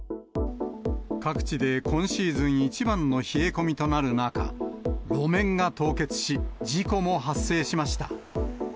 各地で今シーズン一番の冷え込みとなる中、路面が凍結し、事故も発生しました。